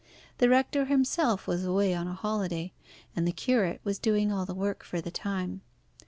The rector himself was away on a holiday, and the curate was doing all the work for the time.